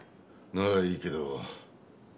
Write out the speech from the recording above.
ならいいけど。